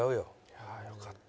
いやよかった。